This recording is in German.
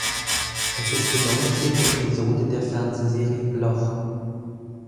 Es ist die neunzehnte Episode der Fernsehreihe "Bloch".